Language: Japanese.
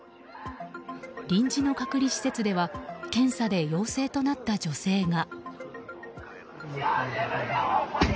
臨時の隔離施設では検査で陽性となった女性が。